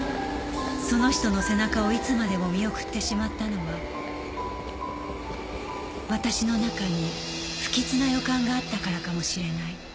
その人の背中をいつまでも見送ってしまったのは私の中に不吉な予感があったからかもしれない